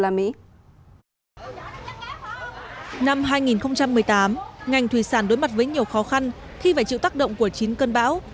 năm hai nghìn một mươi tám ngành thủy sản đối mặt với nhiều khó khăn khi phải chịu tác động của chín cơn bão